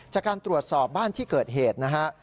จากการตรวจสอบบ้านที่เกิดเหตุนะฮะ